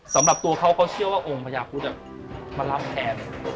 สำหรับตัวเขาเขาเชื่อว่าองค์พญาพุทธมารับแทน